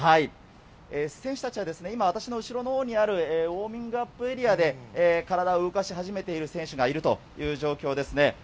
選手たちはですね、今、私の後ろのほうにあるウォーミングアップエリアで、体を動かし始めている選手がいるという状況ですね。